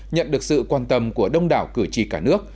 nhận được sự quan tâm của đông đảo cử tri cả nước